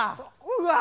うわ！